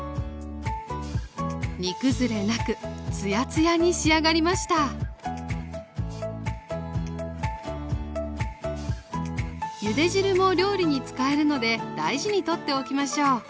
煮崩れなくつやつやに仕上がりましたゆで汁も料理に使えるので大事にとっておきましょう。